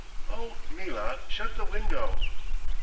Oh, Mila, shut the window!"